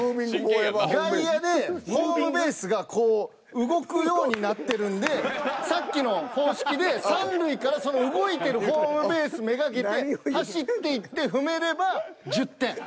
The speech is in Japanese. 外野でホームベースがこう動くようになってるんでさっきの方式で３塁からその動いてるホームベース目がけて走っていって踏めれば１０点。